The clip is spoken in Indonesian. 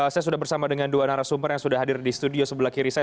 saya sudah bersama dengan dua narasumber yang sudah hadir di studio sebelah kiri saya